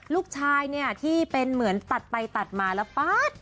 ลูกชายเนี่ยที่เป็นเหมือนตัดไปตัดมาแล้วป๊าด